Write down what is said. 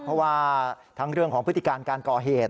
เพราะว่าทั้งเรื่องของพฤติการการก่อเหตุ